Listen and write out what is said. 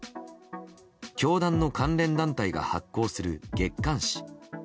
教団の関連団体が発行する月刊誌。